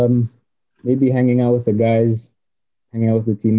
mungkin menunggu dengan teman teman menunggu dengan teman teman